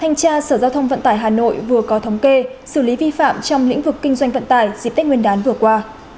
thanh tra sở giao thông vận tải hà nội vừa có thống kê xử lý vi phạm trong lĩnh vực kinh doanh vận tải dịp tết nguyên đán vừa qua